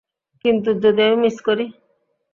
কিন্তু, যদি আমি মিস করি?